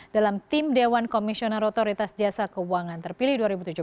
dalam tim dewan komisioner otoritas jasa keuangan terpilih dua ribu tujuh belas dua ribu dua puluh dua